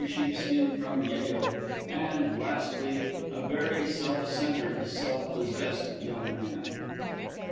sheepskin from Yale; and, lastly, a very self centred, self possessed young man.